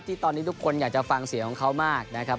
ที่ตอนนี้ทุกคนอยากจะฟังเสียงของเขามากนะครับ